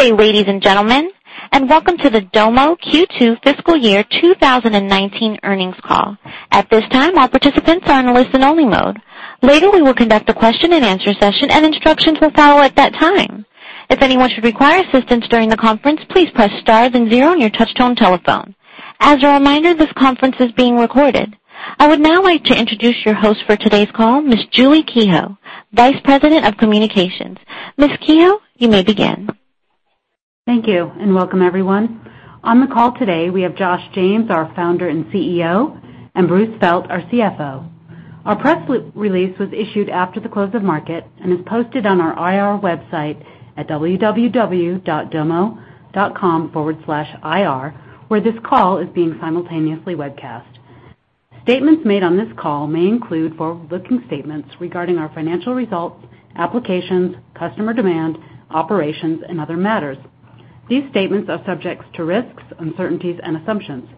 Good day, ladies and gentlemen, welcome to the Domo Q2 fiscal year 2019 earnings call. At this time, all participants are in listen-only mode. Later, we will conduct a question-and-answer session, and instructions will follow at that time. If anyone should require assistance during the conference, please press star then 0 on your touch-tone telephone. As a reminder, this conference is being recorded. I would now like to introduce your host for today's call, Ms. Julie Kehoe, Vice President of Communications. Ms. Kehoe, you may begin. Thank you, welcome everyone. On the call today, we have Josh James, our Founder and CEO, and Bruce Felt, our CFO. Our press release was issued after the close of market and is posted on our IR website at www.domo.com/ir, where this call is being simultaneously webcast. Statements made on this call may include forward-looking statements regarding our financial results, applications, customer demand, operations, and other matters. These statements are subject to risks, uncertainties, and assumptions.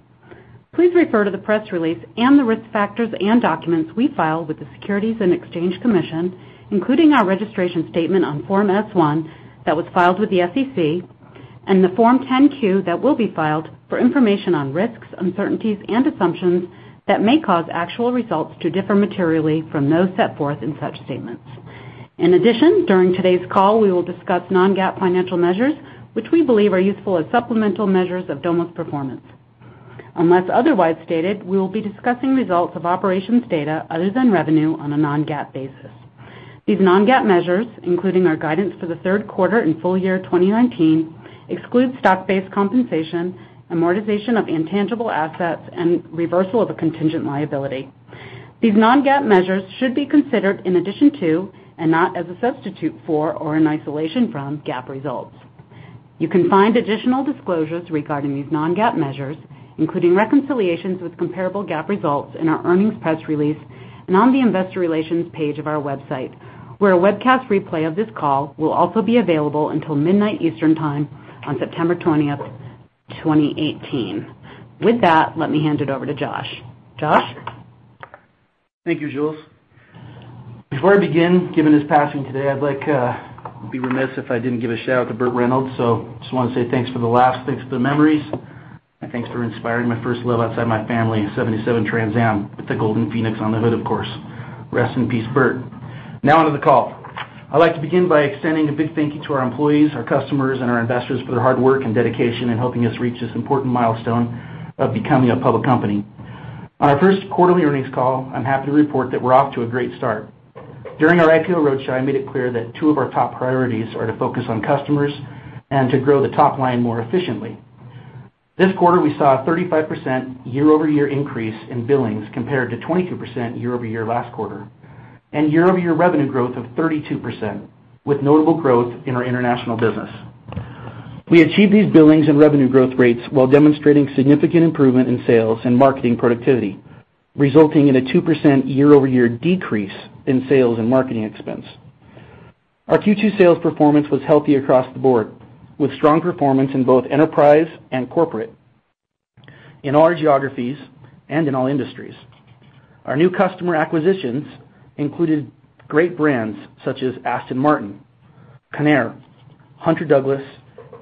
Please refer to the press release and the risk factors and documents we file with the Securities and Exchange Commission, including our registration statement on Form S-1 that was filed with the SEC, and the Form 10-Q that will be filed for information on risks, uncertainties, and assumptions that may cause actual results to differ materially from those set forth in such statements. In addition, during today's call, we will discuss non-GAAP financial measures, which we believe are useful as supplemental measures of Domo's performance. Unless otherwise stated, we will be discussing results of operations data other than revenue on a non-GAAP basis. These non-GAAP measures, including our guidance for the third quarter and full year 2019, exclude stock-based compensation, amortization of intangible assets, and reversal of a contingent liability. These non-GAAP measures should be considered in addition to, and not as a substitute for or in isolation from, GAAP results. You can find additional disclosures regarding these non-GAAP measures, including reconciliations with comparable GAAP results in our earnings press release and on the investor relations page of our website, where a webcast replay of this call will also be available until midnight Eastern Time on September 20, 2018. With that, let me hand it over to Josh. Josh? Thank you, Jules. Before I begin, given his passing today, I'd be remiss if I didn't give a shout-out to Burt Reynolds. Just want to say thanks for the laughs, thanks for the memories, and thanks for inspiring my first love outside my family, a 77 Trans Am with the Firebird on the hood, of course. Rest in peace, Burt. Now on to the call. I'd like to begin by extending a big thank you to our employees, our customers, and our investors for their hard work and dedication in helping us reach this important milestone of becoming a public company. On our first quarterly earnings call, I'm happy to report that we're off to a great start. During our IPO roadshow, I made it clear that two of our top priorities are to focus on customers and to grow the top line more efficiently. This quarter, we saw a 35% year-over-year increase in billings compared to 22% year-over-year last quarter, and year-over-year revenue growth of 32%, with notable growth in our international business. We achieved these billings and revenue growth rates while demonstrating significant improvement in sales and marketing productivity, resulting in a 2% year-over-year decrease in sales and marketing expense. Our Q2 sales performance was healthy across the board, with strong performance in both enterprise and corporate, in all our geographies and in all industries. Our new customer acquisitions included great brands such as Aston Martin, Conair, Hunter Douglas,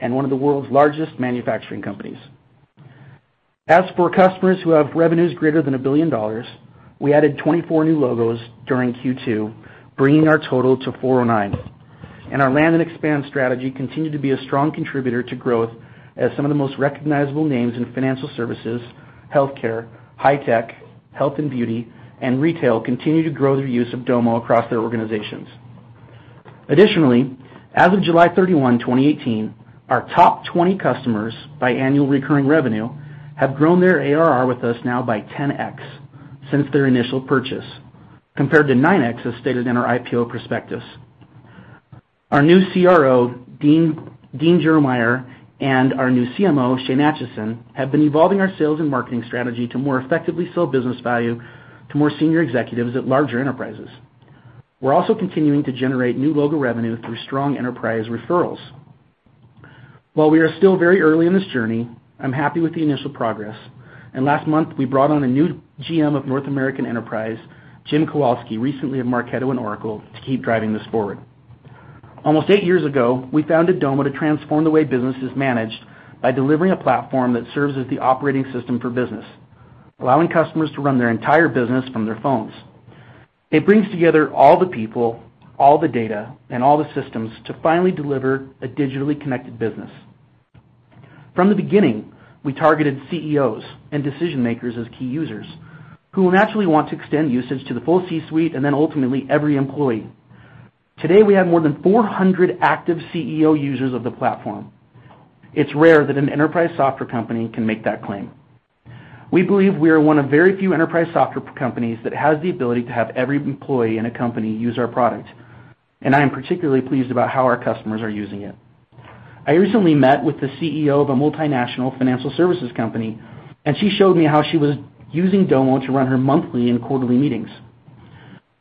and one of the world's largest manufacturing companies. As for customers who have revenues greater than $1 billion, we added 24 new logos during Q2, bringing our total to 409. Our land and expand strategy continued to be a strong contributor to growth as some of the most recognizable names in financial services, healthcare, high tech, health and beauty, and retail continue to grow their use of Domo across their organizations. Additionally, as of July 31, 2018, our top 20 customers by annual recurring revenue have grown their ARR with us now by 10X since their initial purchase, compared to 9X as stated in our IPO prospectus. Our new CRO, Dean Germeyer, and our new CMO, Shane Atchison, have been evolving our sales and marketing strategy to more effectively sell business value to more senior executives at larger enterprises. We're also continuing to generate new logo revenue through strong enterprise referrals. While we are still very early in this journey, I'm happy with the initial progress. Last month we brought on a new GM of North American Enterprise, Jim Kowalski, recently of Marketo and Oracle, to keep driving this forward. Almost eight years ago, we founded Domo to transform the way business is managed by delivering a platform that serves as the operating system for business, allowing customers to run their entire business from their phones. It brings together all the people, all the data, and all the systems to finally deliver a digitally connected business. From the beginning, we targeted CEOs and decision-makers as key users who will naturally want to extend usage to the full C-suite and ultimately every employee. Today, we have more than 400 active CEO users of the platform. It's rare that an enterprise software company can make that claim. We believe we are one of very few enterprise software companies that has the ability to have every employee in a company use our product. I am particularly pleased about how our customers are using it. I recently met with the CEO of a multinational financial services company. She showed me how she was using Domo to run her monthly and quarterly meetings.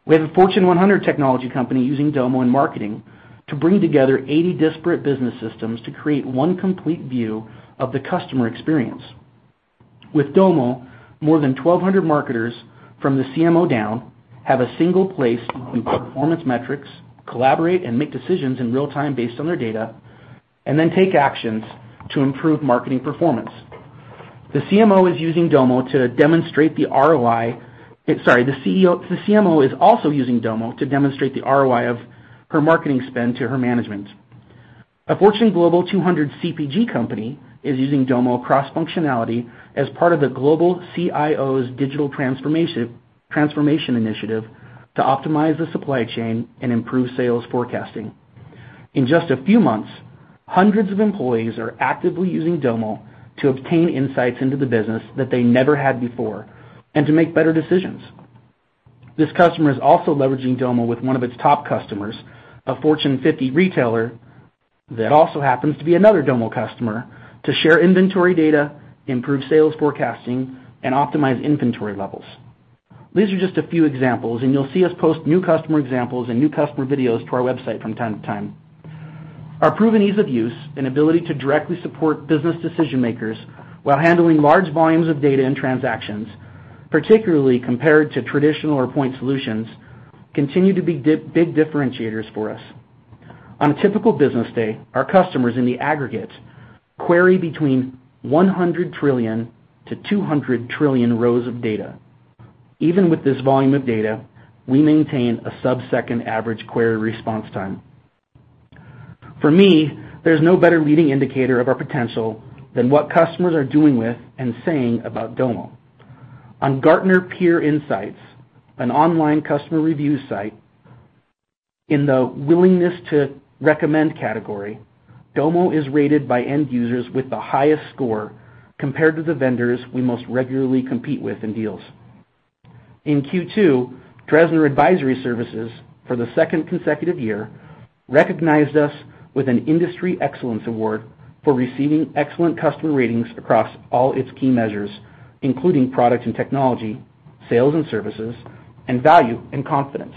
We have a Fortune 100 technology company using Domo in marketing to bring together 80 disparate business systems to create one complete view of the customer experience. With Domo, more than 1,200 marketers from the CMO down have a single place to view performance metrics, collaborate, and make decisions in real time based on their data. Then take actions to improve marketing performance. The CMO is also using Domo to demonstrate the ROI of her marketing spend to her management. A Fortune Global 200 CPG company is using Domo cross-functionality as part of the global CIO's digital transformation initiative to optimize the supply chain and improve sales forecasting. In just a few months, hundreds of employees are actively using Domo to obtain insights into the business that they never had before, and to make better decisions. This customer is also leveraging Domo with one of its top customers, a Fortune 50 retailer, that also happens to be another Domo customer, to share inventory data, improve sales forecasting, and optimize inventory levels. You'll see us post new customer examples and new customer videos to our website from time to time. Our proven ease of use and ability to directly support business decision makers while handling large volumes of data and transactions, particularly compared to traditional or point solutions, continue to be big differentiators for us. On a typical business day, our customers in the aggregate query between 100 trillion-200 trillion rows of data. Even with this volume of data, we maintain a subsecond average query response time. For me, there's no better leading indicator of our potential than what customers are doing with and saying about Domo. On Gartner Peer Insights, an online customer review site, in the willingness to recommend category, Domo is rated by end users with the highest score compared to the vendors we most regularly compete with in deals. In Q2, Dresner Advisory Services, for the second consecutive year, recognized us with an Industry Excellence Award for receiving excellent customer ratings across all its key measures, including product and technology, sales and services, and value and confidence.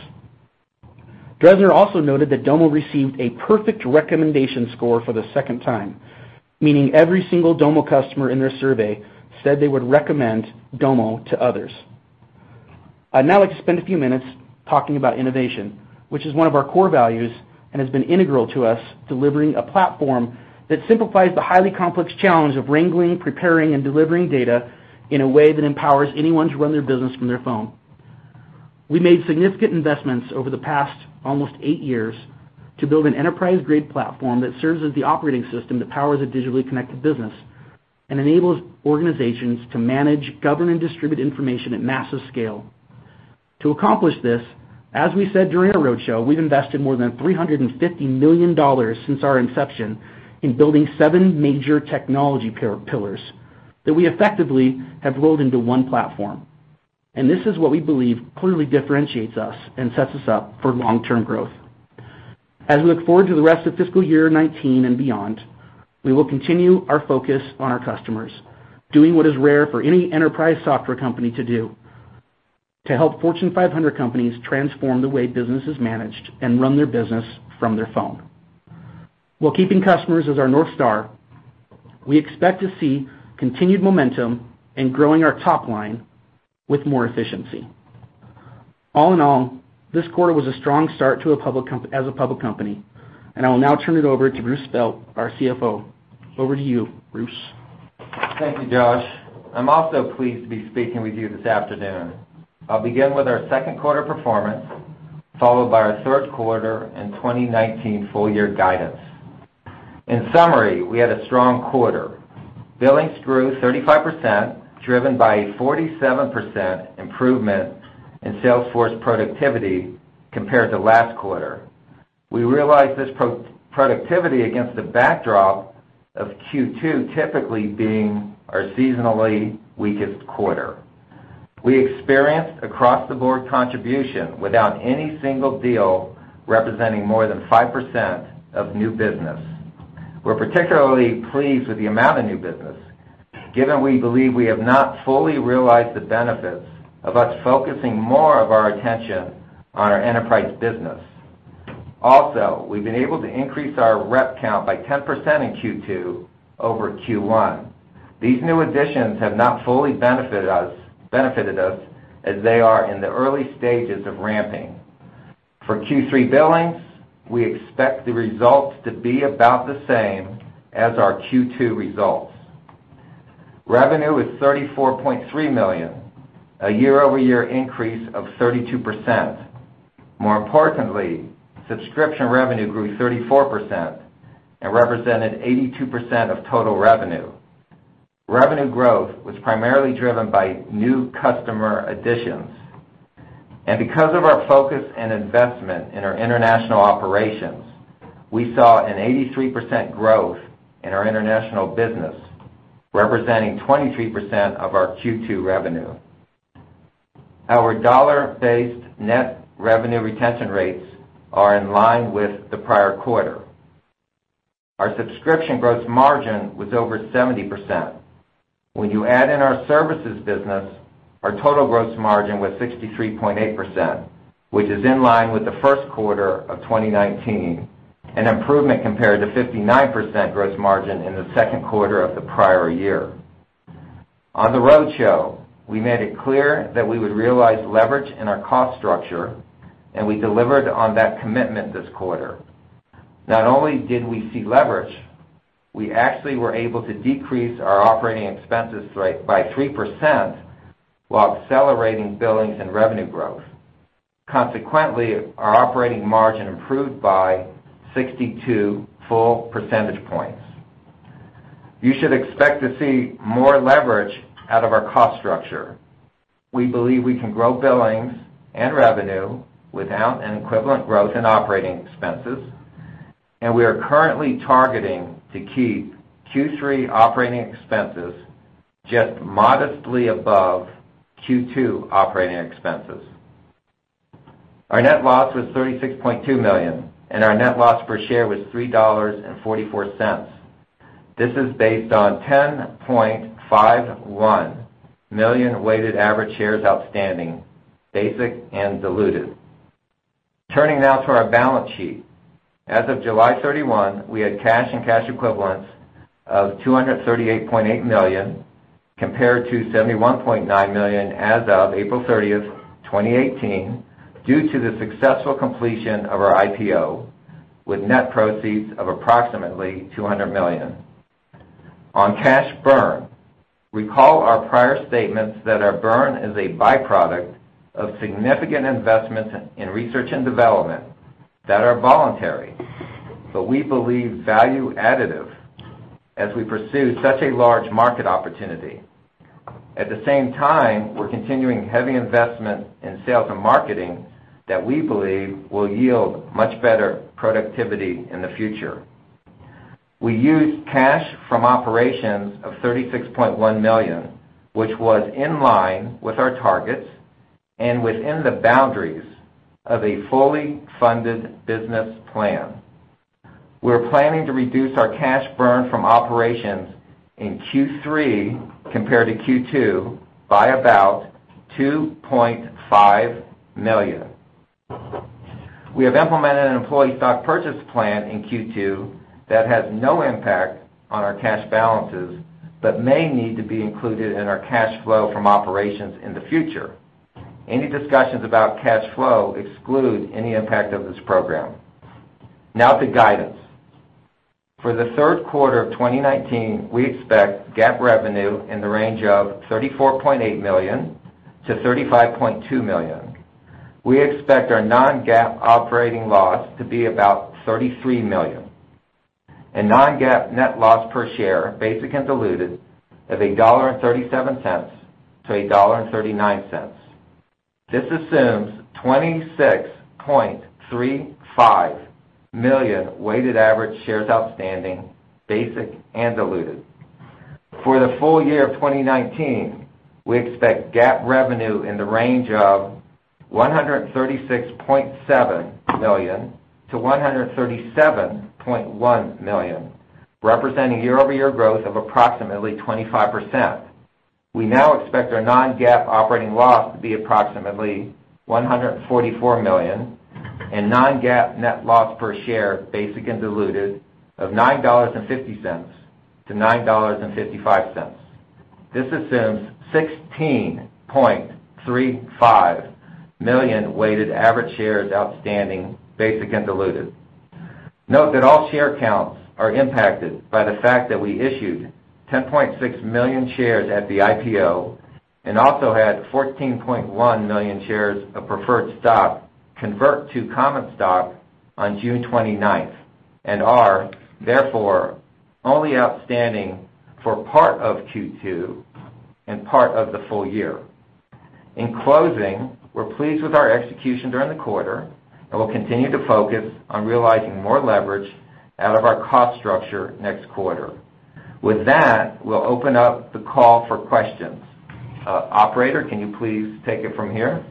Dresner also noted that Domo received a perfect recommendation score for the second time, meaning every single Domo customer in their survey said they would recommend Domo to others. I'd now like to spend a few minutes talking about innovation, which is one of our core values and has been integral to us delivering a platform that simplifies the highly complex challenge of wrangling, preparing, and delivering data in a way that empowers anyone to run their business from their phone. We made significant investments over the past almost eight years to build an enterprise-grade platform that serves as the operating system that powers a digitally connected business, and enables organizations to manage, govern, and distribute information at massive scale. To accomplish this, as we said during our roadshow, we've invested more than $350 million since our inception in building seven major technology pillars that we effectively have rolled into one platform. This is what we believe clearly differentiates us and sets us up for long-term growth. As we look forward to the rest of fiscal year 2019 and beyond, we will continue our focus on our customers, doing what is rare for any enterprise software company to do, to help Fortune 500 companies transform the way business is managed and run their business from their phone. While keeping customers as our North Star, we expect to see continued momentum in growing our top line with more efficiency. All in all, this quarter was a strong start as a public company. I will now turn it over to Bruce Felt, our CFO. Over to you, Bruce. Thank you, Josh. I'm also pleased to be speaking with you this afternoon. I'll begin with our second quarter performance, followed by our third quarter and 2019 full year guidance. In summary, we had a strong quarter. Billings grew 35%, driven by a 47% improvement in sales force productivity compared to last quarter. We realized this productivity against the backdrop of Q2 typically being our seasonally weakest quarter. We experienced across-the-board contribution without any single deal representing more than 5% of new business. We're particularly pleased with the amount of new business, given we believe we have not fully realized the benefits of us focusing more of our attention on our enterprise business. Also, we've been able to increase our rep count by 10% in Q2 over Q1. These new additions have not fully benefited us as they are in the early stages of ramping. For Q3 billings, we expect the results to be about the same as our Q2 results. Revenue is $34.3 million, a year-over-year increase of 32%. More importantly, subscription revenue grew 34% and represented 82% of total revenue. Revenue growth was primarily driven by new customer additions. Because of our focus and investment in our international operations, we saw an 83% growth in our international business, representing 23% of our Q2 revenue. Our dollar-based net revenue retention rates are in line with the prior quarter. Our subscription gross margin was over 70%. When you add in our services business, our total gross margin was 63.8%, which is in line with the first quarter of 2019, an improvement compared to 59% gross margin in the second quarter of the prior year. On the roadshow, we made it clear that we would realize leverage in our cost structure. We delivered on that commitment this quarter. Not only did we see leverage, we actually were able to decrease our operating expenses by 3% while accelerating billings and revenue growth. Consequently, our operating margin improved by 62 full percentage points. You should expect to see more leverage out of our cost structure. We believe we can grow billings and revenue without an equivalent growth in operating expenses. We are currently targeting to keep Q3 operating expenses just modestly above Q2 operating expenses. Our net loss was $36.2 million, and our net loss per share was $3.44. This is based on 10.51 million weighted average shares outstanding, basic and diluted. Turning now to our balance sheet. As of July 31, we had cash and cash equivalents of $238.8 million, compared to $71.9 million as of April 30, 2018, due to the successful completion of our IPO, with net proceeds of approximately $200 million. On cash burn, recall our prior statements that our burn is a byproduct of significant investments in research and development that are voluntary, but we believe value additive as we pursue such a large market opportunity. At the same time, we're continuing heavy investment in sales and marketing that we believe will yield much better productivity in the future. We used cash from operations of $36.1 million, which was in line with our targets and within the boundaries of a fully funded business plan. We're planning to reduce our cash burn from operations in Q3 compared to Q2 by about $2.5 million. We have implemented an employee stock purchase plan in Q2 that has no impact on our cash balances, but may need to be included in our cash flow from operations in the future. Any discussions about cash flow exclude any impact of this program. Now to guidance. For the third quarter of 2019, we expect GAAP revenue in the range of $34.8 million-$35.2 million. We expect our non-GAAP operating loss to be about $33 million, and non-GAAP net loss per share, basic and diluted, of $1.37-$1.39. This assumes 26.35 million weighted average shares outstanding, basic and diluted. For the full year of 2019, we expect GAAP revenue in the range of $136.7 million-$137.1 million, representing year-over-year growth of approximately 25%. We now expect our non-GAAP operating loss to be approximately $144 million and non-GAAP net loss per share, basic and diluted, of $9.50-$9.55. This assumes 16.35 million weighted average shares outstanding, basic and diluted. Note that all share counts are impacted by the fact that we issued 10.6 million shares at the IPO and also had 14.1 million shares of preferred stock convert to common stock on June 29 and are therefore only outstanding for part of Q2 and part of the full year. In closing, we're pleased with our execution during the quarter, and we'll continue to focus on realizing more leverage out of our cost structure next quarter. With that, we'll open up the call for questions. Operator, can you please take it from here?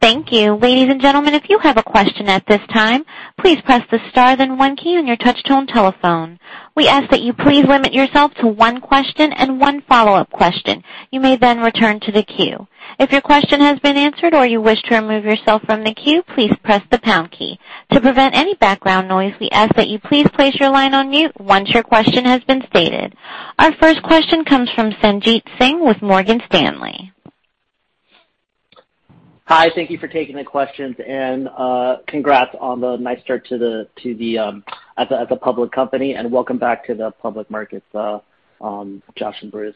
Thank you. Ladies and gentlemen, if you have a question at this time, please press the star then one key on your touch tone telephone. We ask that you please limit yourself to one question and one follow-up question. You may then return to the queue. If your question has been answered or you wish to remove yourself from the queue, please press the pound key. To prevent any background noise, we ask that you please place your line on mute once your question has been stated. Our first question comes from Sanjit Singh with Morgan Stanley. Hi. Thank you for taking the questions. Congrats on the nice start as a public company. Welcome back to the public markets, Josh and Bruce.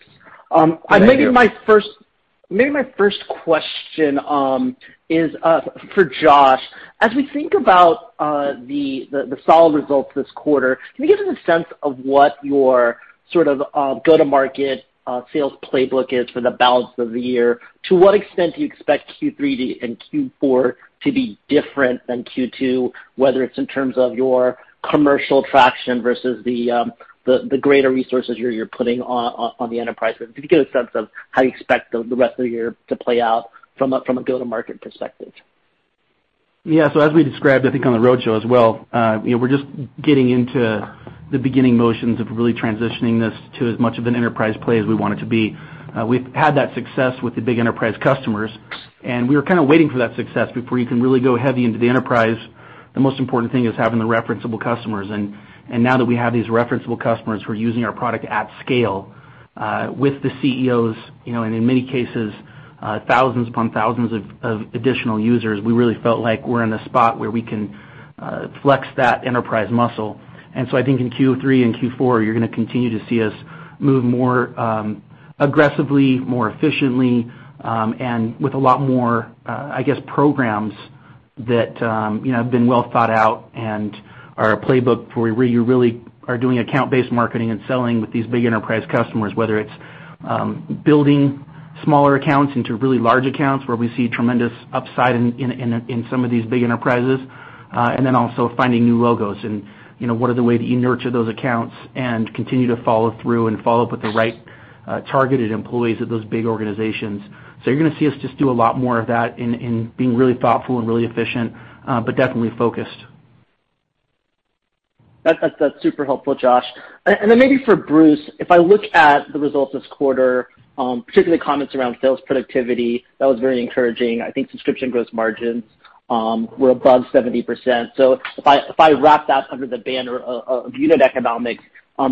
Thank you. Maybe my first question is for Josh. As we think about the solid results this quarter, can you give us a sense of what your go-to-market sales playbook is for the balance of the year? To what extent do you expect Q3 and Q4 to be different than Q2, whether it's in terms of your commercial traction versus the greater resources you're putting on the enterprise? Can you give a sense of how you expect the rest of the year to play out from a go-to-market perspective? Yeah. As we described, I think on the roadshow as well, we're just getting into the beginning motions of really transitioning this to as much of an enterprise play as we want it to be. We've had that success with the big enterprise customers. We were kind of waiting for that success before you can really go heavy into the enterprise. The most important thing is having the referenceable customers. Now that we have these referenceable customers who are using our product at scale, with the CEOs, and in many cases, thousands upon thousands of additional users, we really felt like we're in a spot where we can flex that enterprise muscle. I think in Q3 and Q4, you're going to continue to see us move more aggressively, more efficiently, and with a lot more, I guess, programs that have been well thought out and are a playbook for where you really are doing account-based marketing and selling with these big enterprise customers, whether it's building smaller accounts into really large accounts where we see tremendous upside in some of these big enterprises, and then also finding new logos, and what are the ways that you nurture those accounts and continue to follow through and follow up with the right targeted employees of those big organizations. You're going to see us just do a lot more of that in being really thoughtful and really efficient, but definitely focused. That's super helpful, Josh James. Maybe for Bruce Felt, if I look at the results this quarter, particularly comments around sales productivity, that was very encouraging. I think subscription gross margins were above 70%. If I wrap that under the banner of unit economics,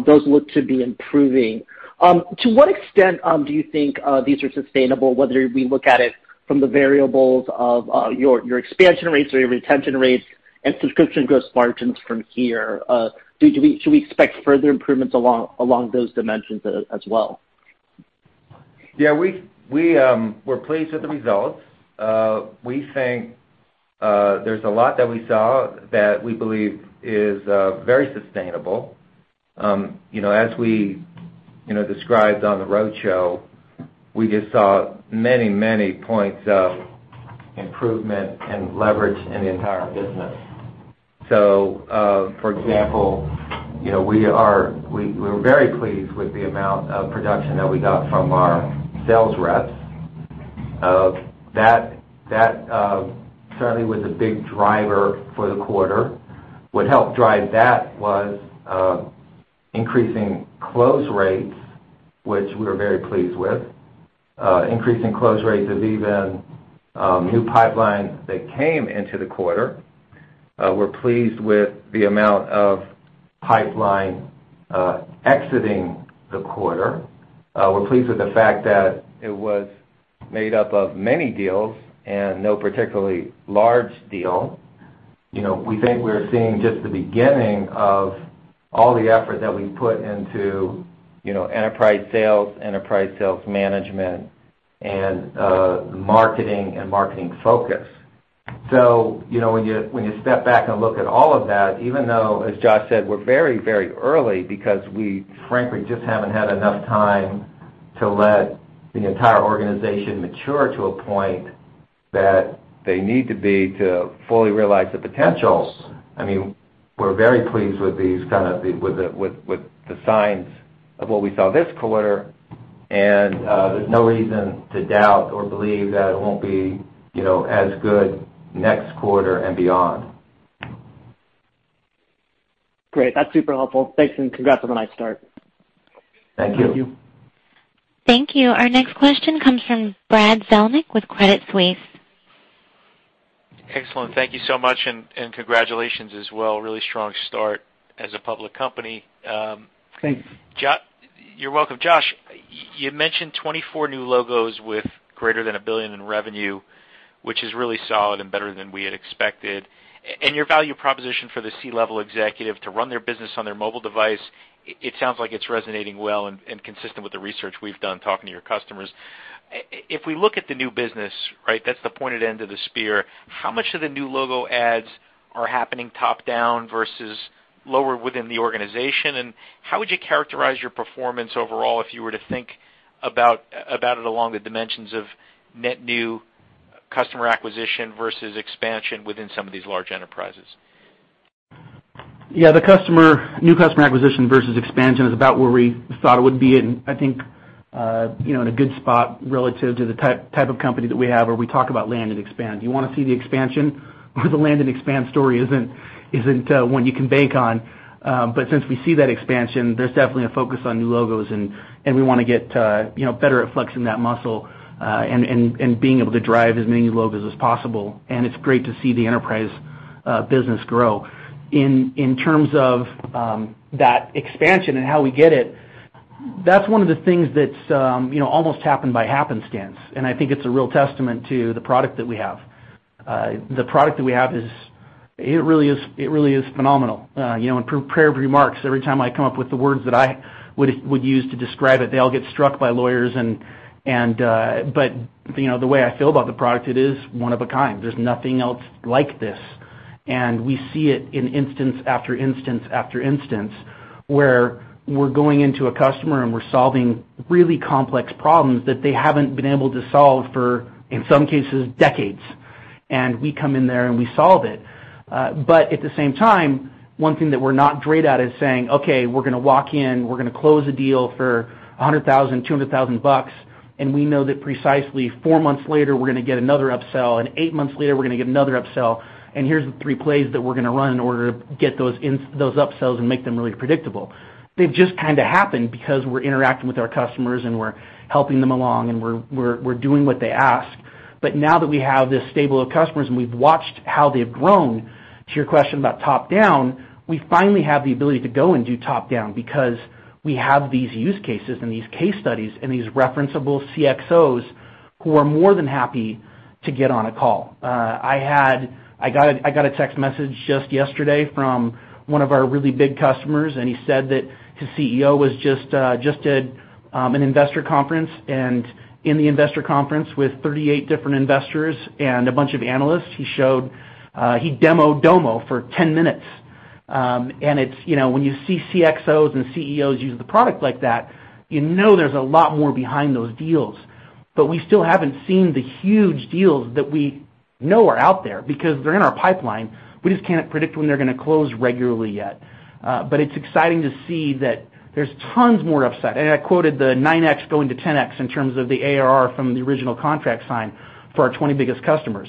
those look to be improving. To what extent, do you think these are sustainable, whether we look at it from the variables of your expansion rates or your retention rates and subscription gross margins from here? Should we expect further improvements along those dimensions as well? We're pleased with the results. We think there's a lot that we saw that we believe is very sustainable. As we described on the roadshow, we just saw many points of improvement and leverage in the entire business. For example, we were very pleased with the amount of production that we got from our sales reps. That certainly was a big driver for the quarter. What helped drive that was increasing close rates, which we were very pleased with, increasing close rates of even new pipelines that came into the quarter. We're pleased with the amount of pipeline exiting the quarter. We're pleased with the fact that it was made up of many deals and no particularly large deal. We think we're seeing just the beginning of all the effort that we put into enterprise sales, enterprise sales management, and marketing and marketing focus. When you step back and look at all of that, even though, as Josh James said, we're very early because we frankly just haven't had enough time to let the entire organization mature to a point that they need to be to fully realize the potential. We're very pleased with the signs of what we saw this quarter, and there's no reason to doubt or believe that it won't be as good next quarter and beyond. Great. That's super helpful. Thanks. Congrats on a nice start. Thank you. Thank you. Thank you. Our next question comes from Brad Zelnick with Credit Suisse. Excellent. Thank you so much, and congratulations as well. Really strong start as a public company. Thanks. You're welcome. Josh, you mentioned 24 new logos with greater than $1 billion in revenue, which is really solid and better than we had expected. Your value proposition for the C-level executive to run their business on their mobile device, it sounds like it's resonating well and consistent with the research we've done talking to your customers. If we look at the new business, right? That's the pointed end of the spear. How much of the new logo ads are happening top-down versus lower within the organization? How would you characterize your performance overall if you were to think about it along the dimensions of net new customer acquisition versus expansion within some of these large enterprises? Yeah, the new customer acquisition versus expansion is about where we thought it would be, and I think in a good spot relative to the type of company that we have where we talk about land and expand. You want to see the expansion, or the land and expand story isn't one you can bank on. Since we see that expansion, there's definitely a focus on new logos, and we want to get better at flexing that muscle, and being able to drive as many logos as possible. It's great to see the enterprise business grow. In terms of that expansion and how we get it, that's one of the things that's almost happened by happenstance, and I think it's a real testament to the product that we have. The product that we have, it really is phenomenal. In prepared remarks, every time I come up with the words that I would use to describe it, they all get struck by lawyers. The way I feel about the product, it is one of a kind. There's nothing else like this. We see it in instance after instance where we're going into a customer and we're solving really complex problems that they haven't been able to solve for, in some cases, decades. We come in there and we solve it. At the same time, one thing that we're not great at is saying, "Okay, we're going to walk in, we're going to close a deal for $100,000, $200,000 bucks, and we know that precisely four months later, we're going to get another upsell, and eight months later, we're going to get another upsell, and here's the three plays that we're going to run in order to get those upsells and make them really predictable." They've just kind of happened because we're interacting with our customers, and we're helping them along, and we're doing what they ask. Now that we have this stable of customers and we've watched how they've grown. To your question about top-down, we finally have the ability to go and do top-down because we have these use cases and these case studies and these referenceable CXOs who are more than happy to get on a call. I got a text message just yesterday from one of our really big customers, and he said that his CEO just did an investor conference, and in the investor conference with 38 different investors and a bunch of analysts, he demoed Domo for 10 minutes. When you see CXOs and CEOs use the product like that, you know there's a lot more behind those deals. We still haven't seen the huge deals that we know are out there because they're in our pipeline. We just can't predict when they're going to close regularly yet. It's exciting to see that there's tons more upside. I quoted the 9x going to 10x in terms of the ARR from the original contract sign for our 20 biggest customers.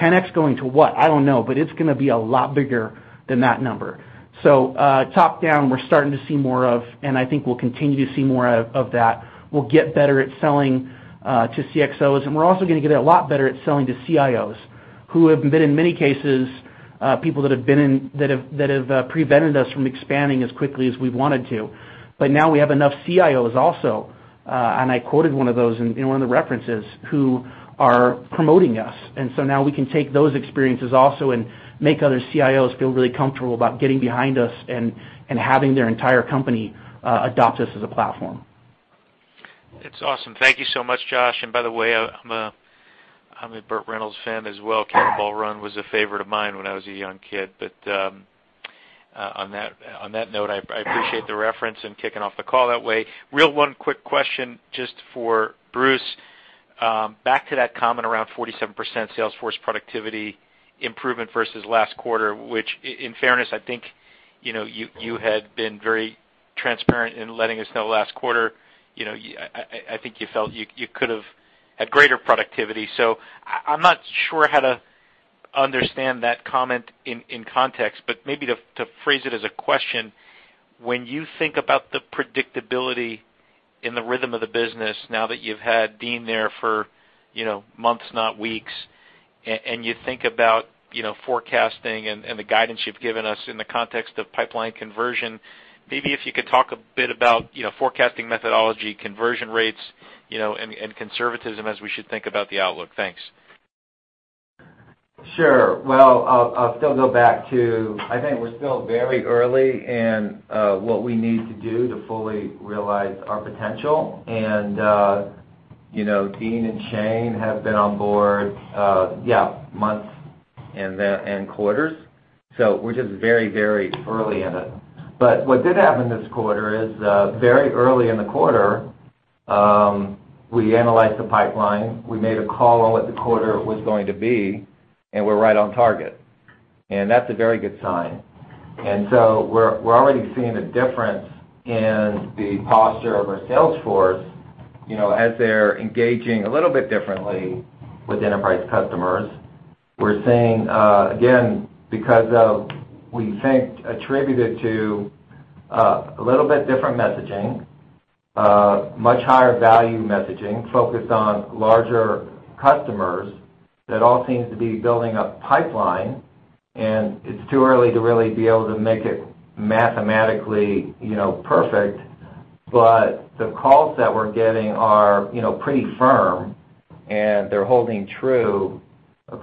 10x going to what? I don't know, but it's going to be a lot bigger than that number. Top-down, we're starting to see more of, and I think we'll continue to see more of that. We'll get better at selling to CXOs, and we're also going to get a lot better at selling to CIOs who have been, in many cases, people that have prevented us from expanding as quickly as we wanted to. Now we have enough CIOs also, and I quoted one of those in one of the references, who are promoting us. Now we can take those experiences also and make other CIOs feel really comfortable about getting behind us and having their entire company adopt us as a platform. It's awesome. Thank you so much, Josh. I am a Burt Reynolds fan as well. The Cannonball Run was a favorite of mine when I was a young kid. On that note, I appreciate the reference and kicking off the call that way. One quick question, just for Bruce. Back to that comment around 47% sales force productivity improvement versus last quarter, which in fairness, I think you had been very transparent in letting us know last quarter, I think you felt you could have had greater productivity. I'm not sure how to understand that comment in context, but maybe to phrase it as a question, when you think about the predictability and the rhythm of the business now that you've had Dean there for months, not weeks, and you think about forecasting and the guidance you've given us in the context of pipeline conversion, maybe if you could talk a bit about forecasting methodology, conversion rates, and conservatism as we should think about the outlook. Thanks. Sure. I'll still go back to, I think we're still very early in what we need to do to fully realize our potential. Dean and Shane have been on board months and quarters. We're just very early in it. What did happen this quarter is, very early in the quarter, we analyzed the pipeline. We made a call on what the quarter was going to be, and we're right on target. That's a very good sign. We're already seeing a difference in the posture of our sales force, as they're engaging a little bit differently with enterprise customers. We're seeing, again, because of, we think, attributed to a little bit different messaging, much higher value messaging focused on larger customers. That all seems to be building up pipeline, and it's too early to really be able to make it mathematically perfect. The calls that we're getting are pretty firm, and they're holding true as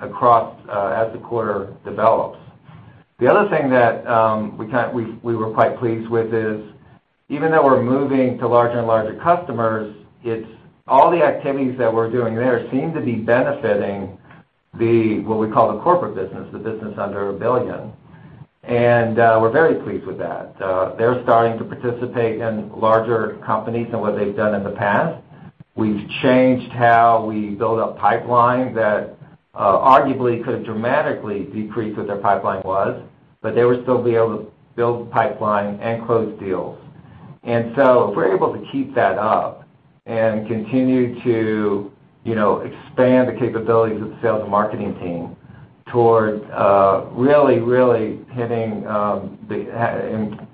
the quarter develops. The other thing that we were quite pleased with is, even though we're moving to larger and larger customers, all the activities that we're doing there seem to be benefiting what we call the corporate business, the business under $1 billion. We're very pleased with that. They're starting to participate in larger companies than what they've done in the past. We've changed how we build a pipeline that arguably could dramatically decrease what their pipeline was, but they would still be able to build the pipeline and close deals. If we're able to keep that up and continue to expand the capabilities of the sales and marketing team towards really hitting and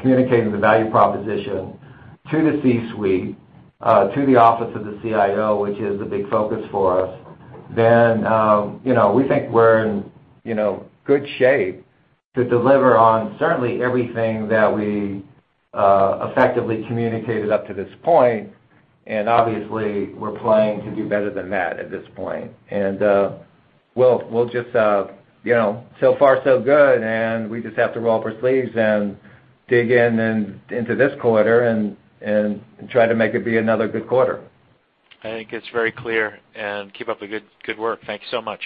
communicating the value proposition to the C-suite, to the office of the CIO, which is a big focus for us, then we think we're in good shape to deliver on certainly everything that we effectively communicated up to this point. Obviously, we're planning to do better than that at this point. So far so good, we just have to roll up our sleeves and dig in to this quarter and try to make it be another good quarter. I think it's very clear, and keep up the good work. Thank you so much.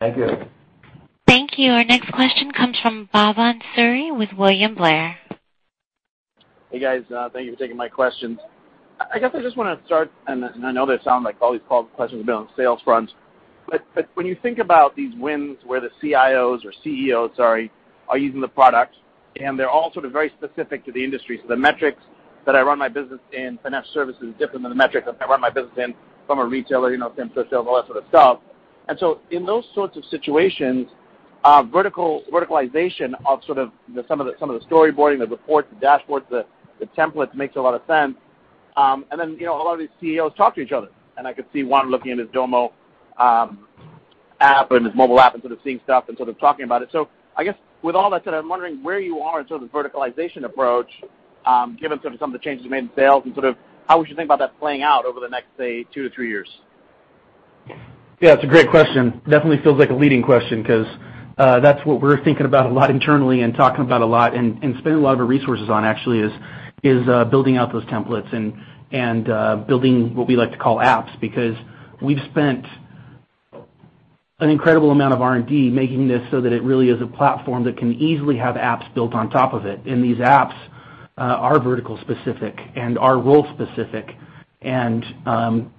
Thank you. Thank you. Our next question comes from Bhavan Suri with William Blair. Hey, guys. Thank you for taking my questions. I guess I just want to start, and I know that it sounds like all these calls and questions have been on the sales front, but when you think about these wins where the CIOs or CEOs, sorry, are using the product, and they're all sort of very specific to the industry. The metrics that I run my business in financial services is different than the metrics that I run my business in from a retailer, same sort of sales, all that sort of stuff. In those sorts of situations, verticalization of sort of some of the storyboarding, the reports, the dashboards, the templates makes a lot of sense. A lot of these CEOs talk to each other, and I could see one looking at his Domo app and his mobile app and sort of seeing stuff and sort of talking about it. I guess with all that said, I'm wondering where you are in terms of verticalization approach, given some of the changes you made in sales and how we should think about that playing out over the next, say, two to three years. Yeah, it's a great question. Definitely feels like a leading question because that's what we're thinking about a lot internally and talking about a lot and spending a lot of our resources on actually is building out those templates and building what we like to call apps. Because we've spent an incredible amount of R&D making this so that it really is a platform that can easily have apps built on top of it, and these apps are vertical specific and are role specific. In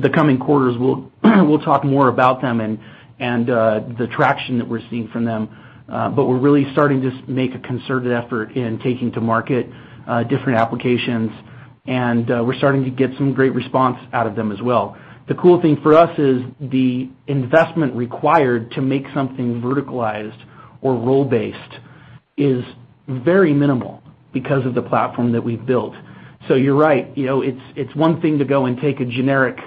the coming quarters, we'll talk more about them and the traction that we're seeing from them. We're really starting to make a concerted effort in taking to market different applications, and we're starting to get some great response out of them as well. The cool thing for us is the investment required to make something verticalized or role-based is very minimal because of the platform that we've built. You're right, it's one thing to go and take a generic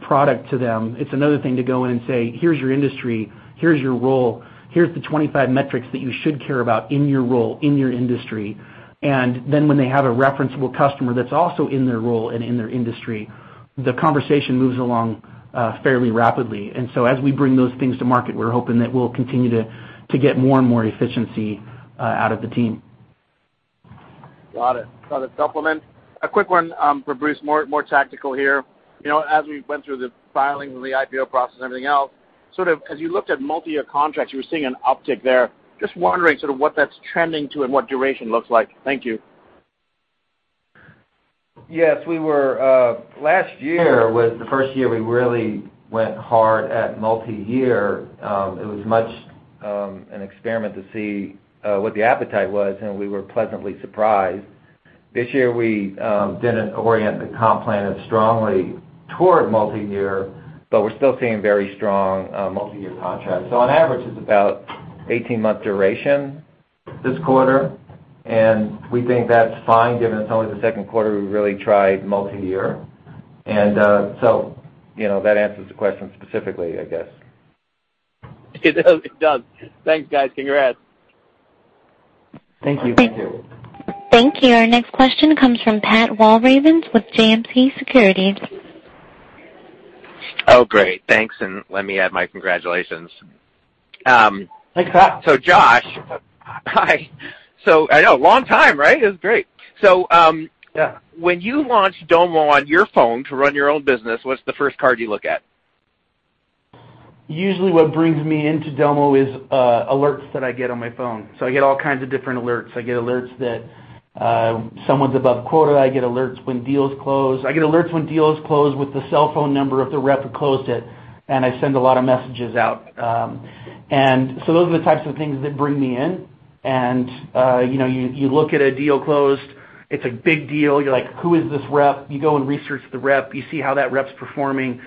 product to them. It's another thing to go in and say, "Here's your industry, here's your role, here's the 25 metrics that you should care about in your role, in your industry." When they have a referenceable customer that's also in their role and in their industry, the conversation moves along fairly rapidly. As we bring those things to market, we're hoping that we'll continue to get more and more efficiency out of the team. Got it. Got it. Supplement. A quick one for Bruce, more tactical here. As we went through the filings and the IPO process and everything else, sort of as you looked at multi-year contracts, you were seeing an uptick there. Just wondering sort of what that's trending to and what duration looks like. Thank you. Yes. Last year was the first year we really went hard at multi-year. It was much an experiment to see what the appetite was, and we were pleasantly surprised. This year, we didn't orient the comp plan as strongly toward multi-year, but we're still seeing very strong multi-year contracts. On average, it's about 18-month duration this quarter, and we think that's fine given it's only the second quarter we really tried multi-year. That answers the question specifically, I guess. It does. Thanks, guys. Congrats. Thank you. Thank you. Thank you. Our next question comes from Pat Walravens with JMP Securities. Oh, great. Thanks. Let me add my congratulations. Thanks, Pat. Josh. Hi. I know, long time, right? It was great. Yeah. When you launched Domo on your phone to run your own business, what's the first card you look at? Usually what brings me into Domo is alerts that I get on my phone. I get all kinds of different alerts. I get alerts that someone's above quota. I get alerts when deals close. I get alerts when deals close with the cell phone number of the rep who closed it, and I send a lot of messages out. Those are the types of things that bring me in. You look at a deal closed, it's a big deal. You're like, "Who is this rep?" You go and research the rep. You see how that rep's performing.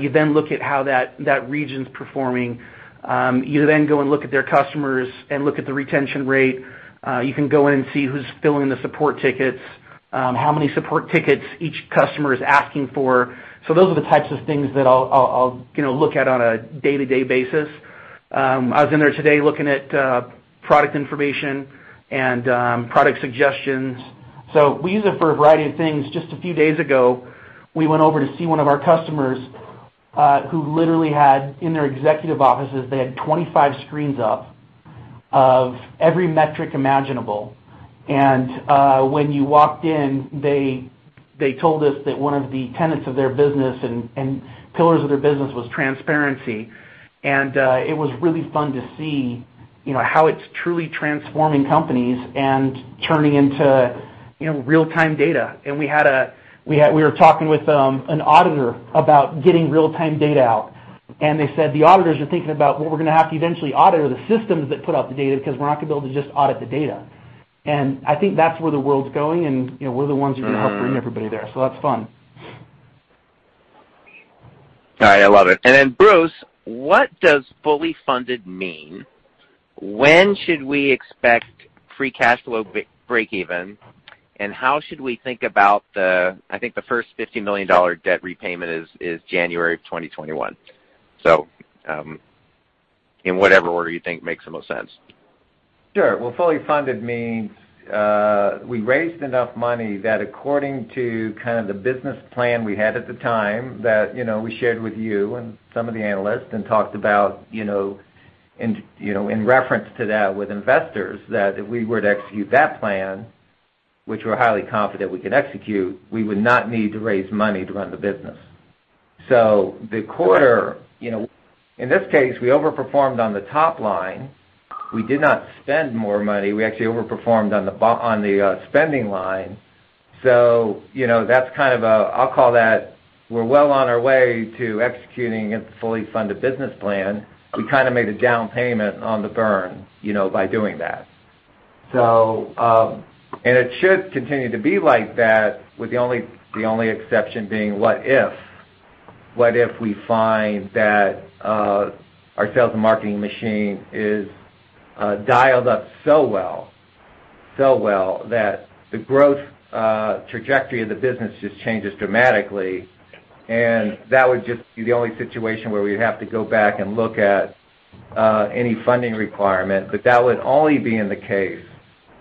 You then look at how that region's performing. You then go and look at their customers and look at the retention rate. You can go in and see who's filling the support tickets, how many support tickets each customer is asking for. Those are the types of things that I'll look at on a day-to-day basis. I was in there today looking at product information and product suggestions. We use it for a variety of things. Just a few days ago, we went over to see one of our customers, who literally had, in their executive offices, they had 25 screens up of every metric imaginable. When you walked in, they told us that one of the tenets of their business and pillars of their business was transparency. It was really fun to see how it's truly transforming companies and turning into real-time data. We were talking with an auditor about getting real-time data out, they said the auditors are thinking about, "Well, we're going to have to eventually audit the systems that put out the data because we're not going to be able to just audit the data." I think that's where the world's going, we're the ones who are going to help bring everybody there. That's fun. All right. I love it. Bruce, what does fully funded mean? When should we expect free cash flow breakeven? How should we think about the, I think the first $50 million debt repayment is January of 2021. In whatever order you think makes the most sense. Sure. Well, fully funded means we raised enough money that according to kind of the business plan we had at the time, that we shared with you and some of the analysts and talked about in reference to that with investors, that if we were to execute that plan, which we're highly confident we could execute, we would not need to raise money to run the business. In this case, we overperformed on the top line. We did not spend more money. We actually overperformed on the spending line. I'll call that we're well on our way to executing a fully funded business plan. We kind of made a down payment on the burn by doing that. It should continue to be like that, with the only exception being What if we find that our sales and marketing machine is dialed up so well that the growth trajectory of the business just changes dramatically? That would just be the only situation where we would have to go back and look at any funding requirement. That would only be in the case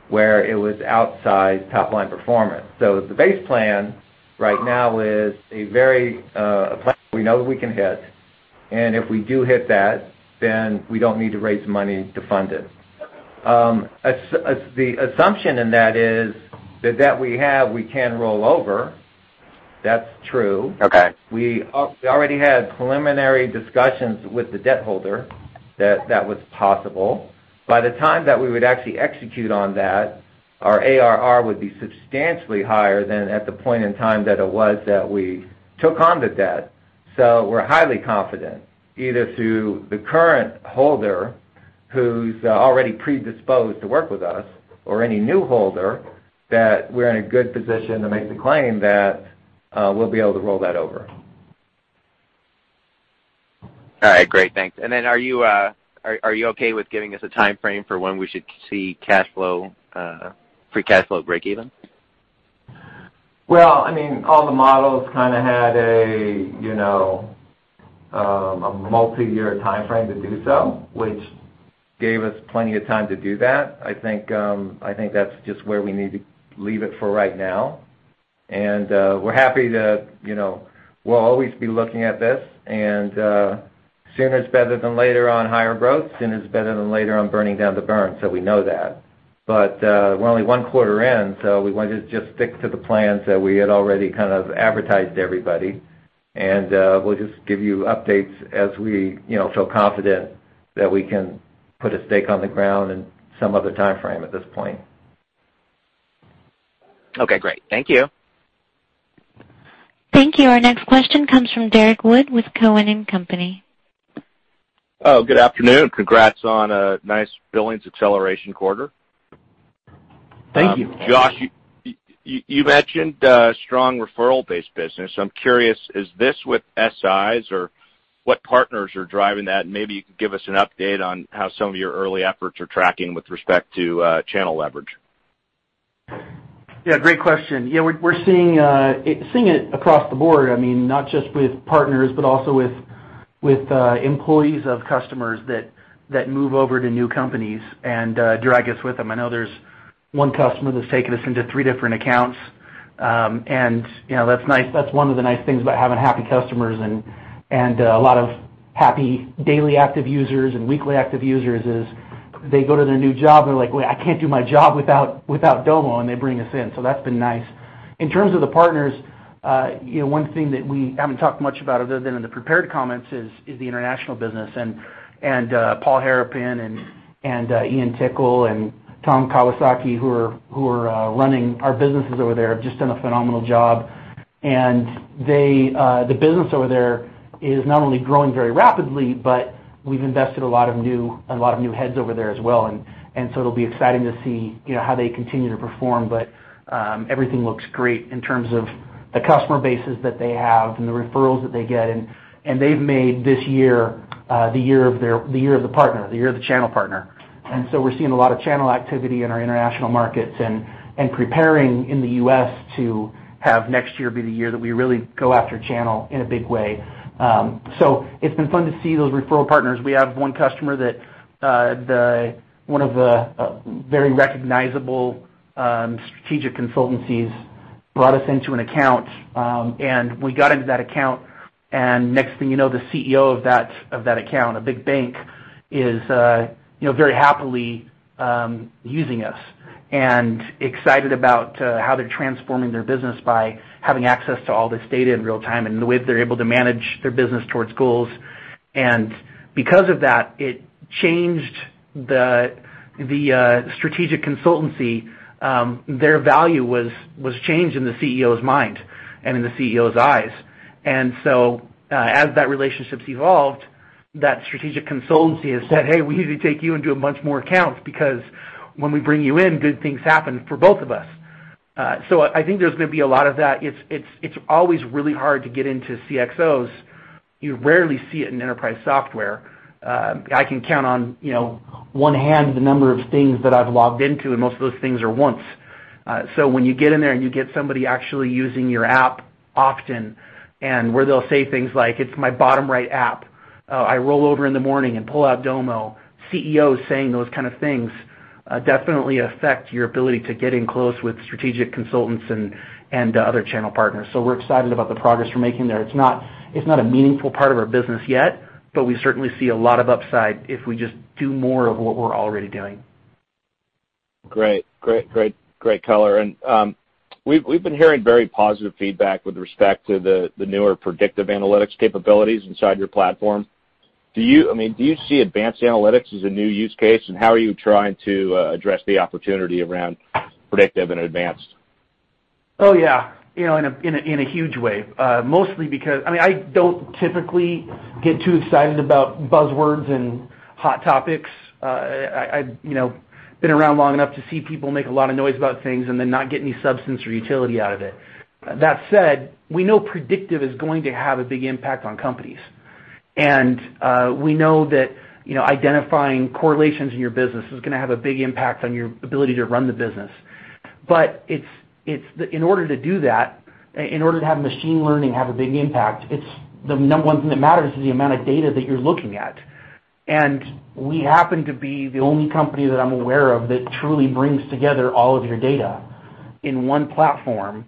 where it was outside top-line performance. The base plan right now is a plan we know that we can hit, and if we do hit that, then we don't need to raise money to fund it. The assumption in that is the debt we have, we can roll over. That's true. Okay. We already had preliminary discussions with the debt holder that was possible. By the time that we would actually execute on that, our ARR would be substantially higher than at the point in time that it was that we took on the debt. We're highly confident, either to the current holder, who's already predisposed to work with us or any new holder, that we're in a good position to make the claim that we'll be able to roll that over. All right, great. Thanks. Are you okay with giving us a timeframe for when we should see free cash flow breakeven? Well, all the models kind of had a multi-year timeframe to do so, which gave us plenty of time to do that. I think that's just where we need to leave it for right now. We'll always be looking at this, and sooner is better than later on higher growth. Sooner is better than later on burning down the burn. We know that. We're only one quarter in, so we wanted to just stick to the plans that we had already kind of advertised to everybody, and we'll just give you updates as we feel confident that we can put a stake on the ground in some other timeframe at this point. Okay, great. Thank you. Thank you. Our next question comes from Derrick Wood with Cowen and Company. Oh, good afternoon. Congrats on a nice billings acceleration quarter. Thank you. Josh, you mentioned a strong referral-based business. I'm curious, is this with SIs or what partners are driving that? Maybe you can give us an update on how some of your early efforts are tracking with respect to channel leverage. Great question. We're seeing it across the board. Not just with partners, but also with employees of customers that move over to new companies and drag us with them. I know there's one customer that's taken us into 3 different accounts. That's one of the nice things about having happy customers and a lot of happy daily active users and weekly active users, is they go to their new job, and they're like, "Wait, I can't do my job without Domo," and they bring us in. That's been nice. In terms of the partners, one thing that we haven't talked much about other than in the prepared comments is the international business. Paul Harapin and Ian Tickle and Tomohiro Kawakami, who are running our businesses over there, have just done a phenomenal job. The business over there is not only growing very rapidly, but we've invested a lot of new heads over there as well. It'll be exciting to see how they continue to perform. Everything looks great in terms of the customer bases that they have and the referrals that they get in. They've made this year the year of the partner, the year of the channel partner. We're seeing a lot of channel activity in our international markets, and preparing in the U.S. to have next year be the year that we really go after channel in a big way. It's been fun to see those referral partners. We have one customer that one of the very recognizable strategic consultancies brought us into an account. We got into that account, next thing you know, the CEO of that account, a big bank, is very happily using us and excited about how they're transforming their business by having access to all this data in real time and the way that they're able to manage their business towards goals. Because of that, it changed the strategic consultancy. Their value was changed in the CEO's mind and in the CEO's eyes. As that relationship's evolved, that strategic consultancy has said, "Hey, we need to take you into a bunch more accounts because when we bring you in, good things happen for both of us." I think there's going to be a lot of that. It's always really hard to get into CXOs. You rarely see it in enterprise software. I can count on one hand the number of things that I've logged into, and most of those things are once. When you get in there, and you get somebody actually using your app often, and where they'll say things like, "It's my bottom-right app. I roll over in the morning and pull out Domo," CEOs saying those kind of things definitely affect your ability to get in close with strategic consultants and other channel partners. We're excited about the progress we're making there. It's not a meaningful part of our business yet, but we certainly see a lot of upside if we just do more of what we're already doing. Great. Great color. We've been hearing very positive feedback with respect to the newer predictive analytics capabilities inside your platform. Do you see advanced analytics as a new use case? How are you trying to address the opportunity around predictive and advanced? Oh, yeah. In a huge way. I don't typically get too excited about buzzwords and hot topics. I've been around long enough to see people make a lot of noise about things and then not get any substance or utility out of it. That said, we know predictive is going to have a big impact on companies. We know that identifying correlations in your business is going to have a big impact on your ability to run the business. In order to do that, in order to have machine learning have a big impact, the number one thing that matters is the amount of data that you're looking at. We happen to be the only company that I'm aware of that truly brings together all of your data in one platform.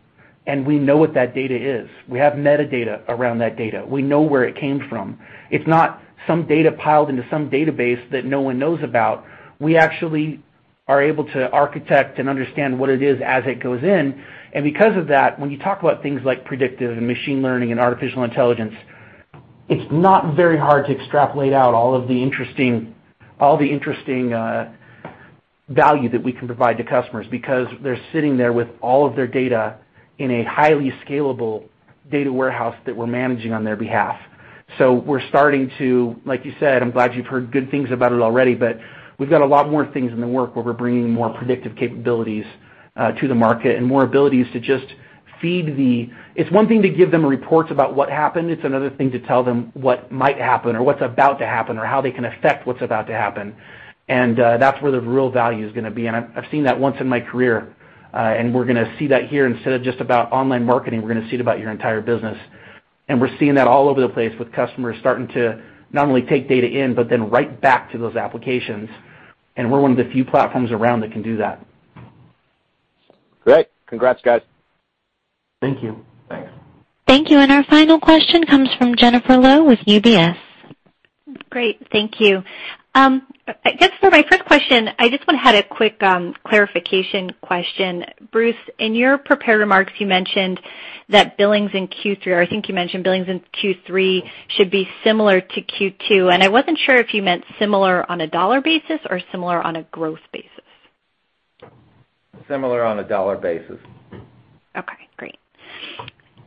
We know what that data is. We have metadata around that data. We know where it came from. It's not some data piled into some database that no one knows about. We actually are able to architect and understand what it is as it goes in. Because of that, when you talk about things like predictive and machine learning and artificial intelligence, it's not very hard to extrapolate out all of the interesting value that we can provide to customers because they're sitting there with all of their data in a highly scalable data warehouse that we're managing on their behalf. We're starting to, like you said, I'm glad you've heard good things about it already, but we've got a lot more things in the work where we're bringing more predictive capabilities to the market. It's one thing to give them reports about what happened. It's another thing to tell them what might happen or what's about to happen, or how they can affect what's about to happen. That's where the real value is going to be, and I've seen that once in my career. We're going to see that here, instead of just about online marketing, we're going to see it about your entire business. We're seeing that all over the place with customers starting to not only take data in but then right back to those applications. We're one of the few platforms around that can do that. Great. Congrats, guys. Thank you. Thanks. Thank you. Our final question comes from Jennifer Lowe with UBS. Great. Thank you. I guess for my first question, I just want to have a quick clarification question. Bruce, in your prepared remarks, you mentioned that billings in Q3, I think you mentioned billings in Q3 should be similar to Q2. I wasn't sure if you meant similar on a dollar basis or similar on a growth basis. Similar on a dollar basis. Okay,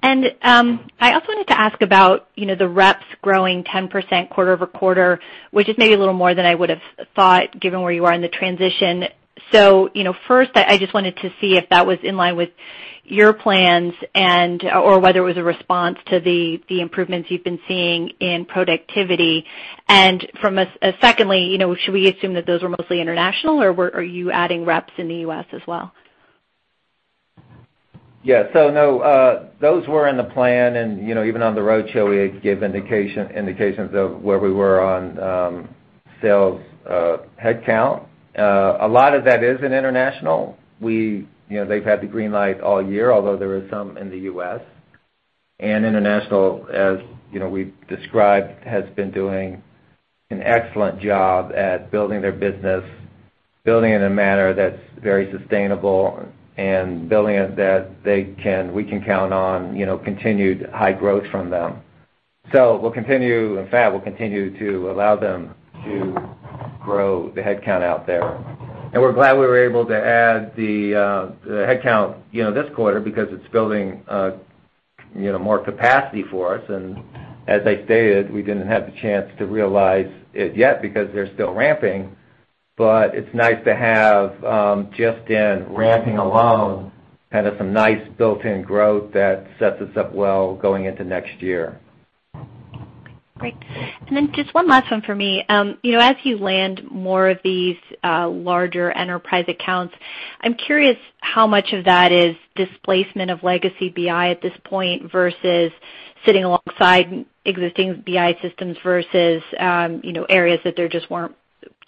great. I also wanted to ask about the reps growing 10% quarter-over-quarter, which is maybe a little more than I would've thought, given where you are in the transition. First, I just wanted to see if that was in line with your plans and or whether it was a response to the improvements you've been seeing in productivity. Secondly, should we assume that those were mostly international, or were you adding reps in the U.S. as well? Yeah. No, those were in the plan and even on the road show, we gave indications of where we were on sales headcount. A lot of that is in international. They've had the green light all year, although there is some in the U.S. International, as we've described, has been doing an excellent job at building their business, building in a manner that's very sustainable and building it that we can count on continued high growth from them. In fact, we'll continue to allow them to grow the headcount out there. We're glad we were able to add the headcount this quarter because it's building more capacity for us. As I stated, we didn't have the chance to realize it yet because they're still ramping. It's nice to have, just in ramping alone, kind of some nice built-in growth that sets us up well going into next year. Great. Just one last one for me. As you land more of these larger enterprise accounts, I'm curious how much of that is displacement of legacy BI at this point versus sitting alongside existing BI systems versus areas that there just weren't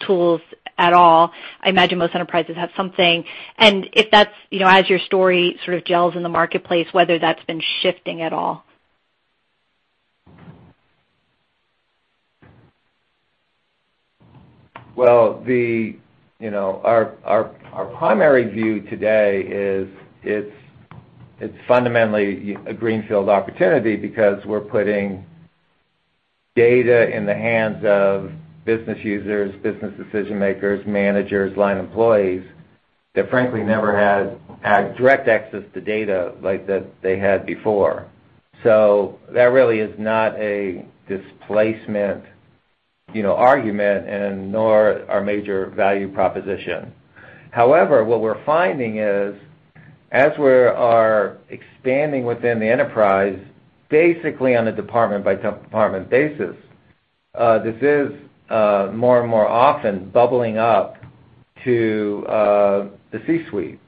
tools at all. I imagine most enterprises have something. If that's, as your story sort of gels in the marketplace, whether that's been shifting at all. Well, our primary view today is it's fundamentally a greenfield opportunity because we're putting data in the hands of business users, business decision-makers, managers, line employees that frankly never had direct access to data like they had before. That really is not a displacement argument and nor our major value proposition. However, what we're finding is, as we are expanding within the enterprise, basically on a department-by-department basis, this is more and more often bubbling up to the C-suite.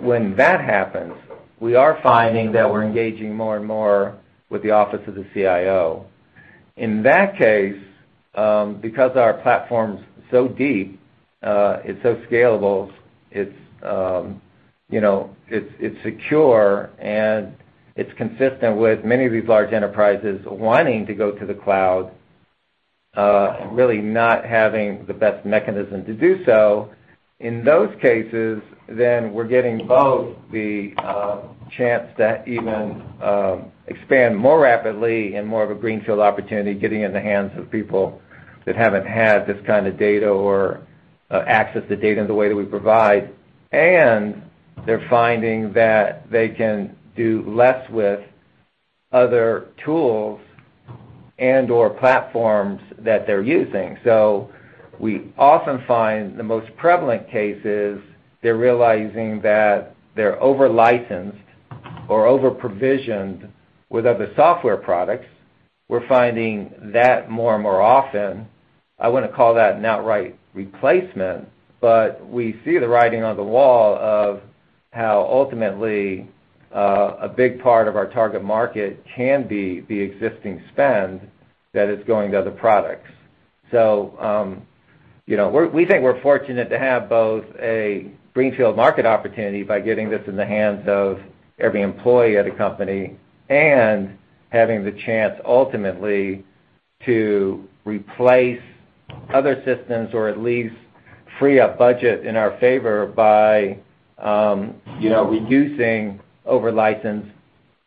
When that happens, we are finding that we're engaging more and more with the office of the CIO. In that case, because our platform's so deep, it's so scalable, it's secure, and it's consistent with many of these large enterprises wanting to go to the cloud, really not having the best mechanism to do so. In those cases, we're getting both the chance to even expand more rapidly and more of a greenfield opportunity, getting in the hands of people that haven't had this kind of data or access to data in the way that we provide. They're finding that they can do less with other tools and/or platforms that they're using. We often find the most prevalent case is they're realizing that they're over-licensed or over-provisioned with other software products. We're finding that more and more often. I wouldn't call that an outright replacement, but we see the writing on the wall of how ultimately, a big part of our target market can be the existing spend that is going to other products. We think we're fortunate to have both a greenfield market opportunity by getting this in the hands of every employee at a company and having the chance ultimately to replace other systems or at least free up budget in our favor by reducing over-licensed,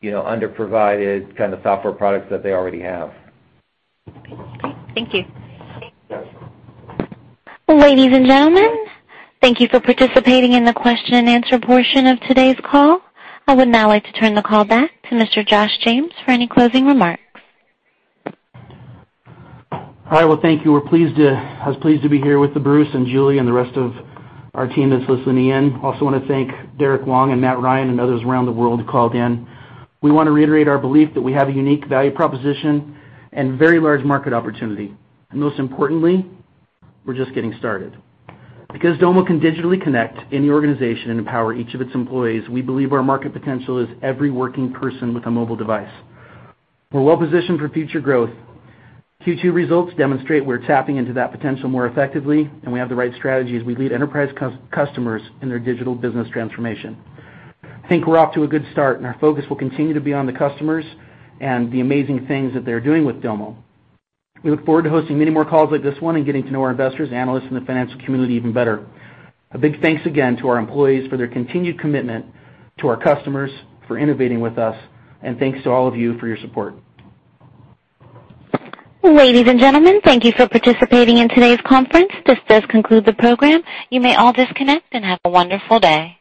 under-provided software products that they already have. Okay, great. Thank you. Yes. Ladies and gentlemen, thank you for participating in the question and answer portion of today's call. I would now like to turn the call back to Mr. Josh James for any closing remarks. Well, thank you. I was pleased to be here with Bruce and Julie and the rest of our team that's listening in. Also want to thank Derrick Wood and Matt Ryan and others around the world who called in. We want to reiterate our belief that we have a unique value proposition and very large market opportunity. Most importantly, we're just getting started. Domo can digitally connect any organization and empower each of its employees, we believe our market potential is every working person with a mobile device. We're well-positioned for future growth. Q2 results demonstrate we're tapping into that potential more effectively, and we have the right strategies. We lead enterprise customers in their digital business transformation. I think we're off to a good start, and our focus will continue to be on the customers and the amazing things that they're doing with Domo. We look forward to hosting many more calls like this one and getting to know our investors, analysts, and the financial community even better. A big thanks again to our employees for their continued commitment, to our customers for innovating with us, and thanks to all of you for your support. Ladies and gentlemen, thank you for participating in today's conference. This does conclude the program. You may all disconnect and have a wonderful day.